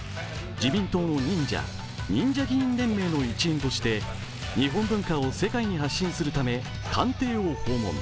自民党の忍者ＮＩＮＪＡ議員連盟の一員として日本文化を世界に発信するため官邸を訪問。